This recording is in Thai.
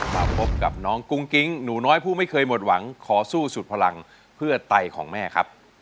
มาพบกับน้องกุ้งกิ๊งหนูน้อยผู้ไม่เคยหมดหวังขอสู้สุดพลังเพื่อไตของแม่ครับ